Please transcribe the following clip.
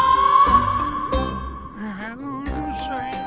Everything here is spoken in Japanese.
ああうるさいな。